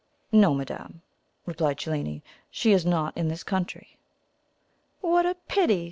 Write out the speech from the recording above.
"No, madame," replied Cellini; "she is not in this country." "What a pity!"